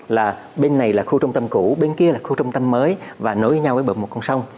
là bên này là khu trung tâm cũ bên kia là khu trung tâm mới và nối với nhau với bờ một con sông